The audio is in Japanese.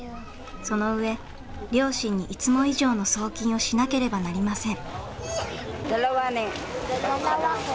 その上両親にいつも以上の送金をしなければなりません。